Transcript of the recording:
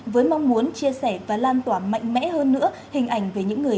với mong muốn chia sẻ và lan tỏa mạnh mẽ hơn nữa hình ảnh về những người